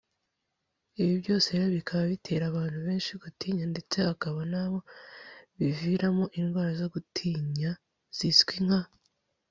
Ibi byose rero bikaba bitera abantu benshi gutinya ndetse hakaba n’abo biviramo indwara zo gutinya zizwi nka